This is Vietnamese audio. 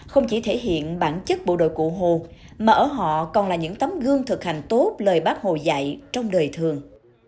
không chỉ thể hiện bản chất bộ đội cụ hồ mà ở họ còn là những tấm gương thực hành tốt lời bác hồ dạy trong đời thường